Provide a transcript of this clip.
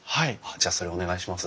じゃあそれお願いします。